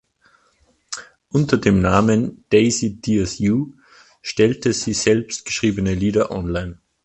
Unter dem Namen "Daisy Dares You" stellte sie selbst geschriebene Lieder online.